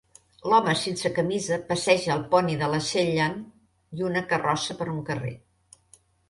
L'home sense camisa passeja el poni de les Shetland i una carrossa per un carrer.